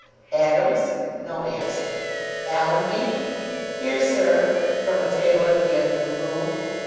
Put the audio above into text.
"Adams." No answer. "Allenby." "Here, sir," from a table at the end of the room.